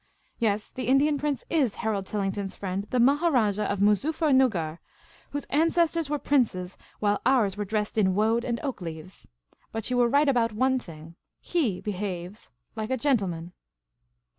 Yes, the Indian prince i's Harold Tillington's friend, the Maharajah of Moozuffer nuggar — whose ancestors were princes while ours were dressed in woad and oak leaves. But you were right about one thing ; /ie behaves — like a gentleman."